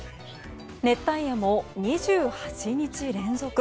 熱帯夜も２８日連続。